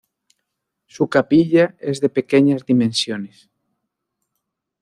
Su capilla es de pequeñas dimensiones.